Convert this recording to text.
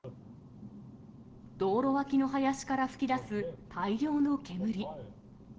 道路脇の林から噴き出す大量の煙。